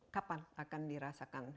kapan akan dirasakan